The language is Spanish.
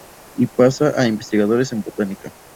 Y pasa a investigaciones en Botánica.